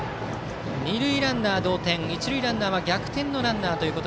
二塁ランナー、同点一塁ランナーは逆転のランナーです。